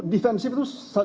defensif itu sering